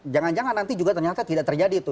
jangan jangan nanti juga ternyata tidak terjadi tuh